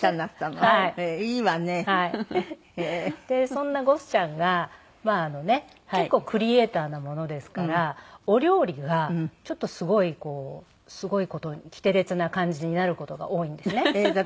そんなゴスちゃんが結構クリエーターなものですからお料理がちょっとすごいすごい事にきてれつな感じになる事が多いんですね。